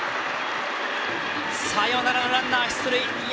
サヨナラのランナー出塁。